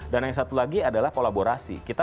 dan yang satu lagi adalah kolaborasi